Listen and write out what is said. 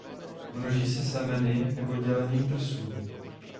Množí se semeny nebo dělením trsů.